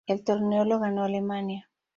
El torneo lo ganó Alemania.